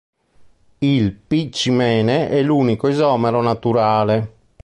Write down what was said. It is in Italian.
Il "p"-cimene è l'unico isomero naturale.